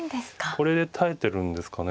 これで耐えてるんですかね。